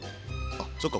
あっそっか。